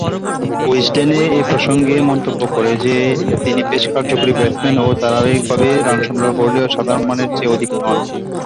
উইজডেনে এ প্রসঙ্গে মন্তব্য করে যে, তিনি বেশ কার্যকরী ব্যাটসম্যান ও ধারাবাহিকভাবে রান সংগ্রহ করলেও সাধারণমানের চেয়ে অধিক নন।